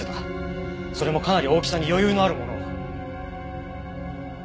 それもかなり大きさに余裕のあるものを。